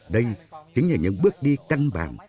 đây chính là những bước đi căn bản